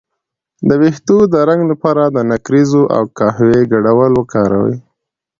د ویښتو د رنګ لپاره د نکریزو او قهوې ګډول وکاروئ